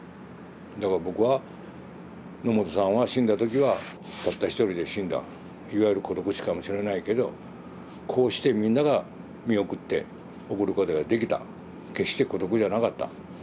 だから僕は野元さんは死んだ時はたった一人で死んだいわゆる孤独死かもしれないけどこうしてみんなが見送って送ることができた決して孤独じゃなかった。